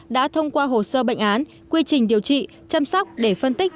đã thông qua hồ sơ bệnh án quy trình điều trị chăm sóc để phân tích